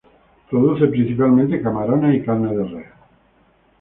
Produce principalmente camarones y carne de res.